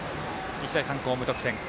日大三高、無得点。